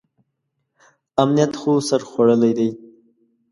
امنیت خو سر خوړلی دی.